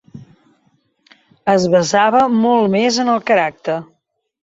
Es basava molt més en el caràcter.